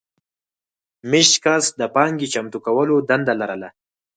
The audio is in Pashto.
مېشت کس د پانګې چمتو کولو دنده لرله.